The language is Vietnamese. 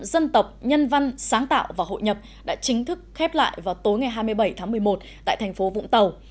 dân tộc nhân văn sáng tạo và hội nhập đã chính thức khép lại vào tối ngày hai mươi bảy tháng một mươi một tại thành phố vũng tàu